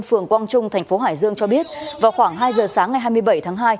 phường quang trung thành phố hải dương cho biết vào khoảng hai giờ sáng ngày hai mươi bảy tháng hai